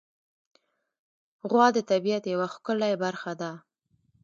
غوا د طبیعت یوه ښکلی برخه ده.